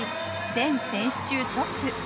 全選手中トップ。